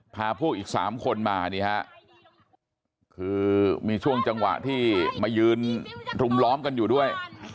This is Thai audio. พาพวกอีก๓คนมานี่ฮะคือมีช่วงจังหวะที่มายืนรุมล้อมกันอยู่ด้วย